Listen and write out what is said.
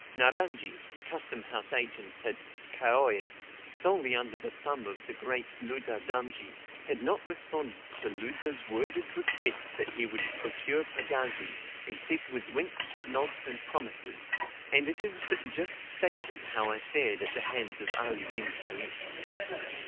Naranji, custom house agent at Kaoie, solely under the thumb of the great Ludha Damji, had not responded to Ludha's worded request that he would procure pagazis, except with winks, nods, and promises, and it is but just stated how I fared at the hands of Ali bin Salim.